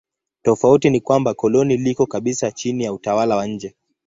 Tofauti ni kwamba koloni liko kabisa chini ya utawala wa nje.